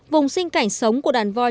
vùng sinh cảnh sống của đàn voi